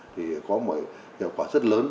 thì có một hiệu quả rất lớn